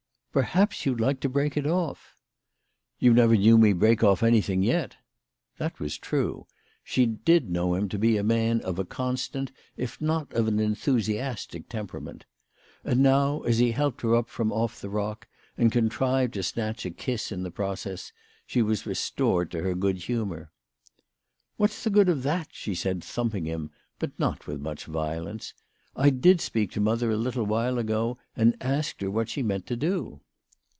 " Perhaps you'd like to break it off." " You never knew me break off anything yet." That was true. She did know him to be a man of a constant, if not of an enthusiastic temperament. And now, as he helped her up from off the rock, and con trived to snatch a kiss in the process, she was restored to her good humour. " What's the good of that ?" she said, thumping him, but not with much violence. " I did speak to mother a little while ago, and asked her what she meant to do."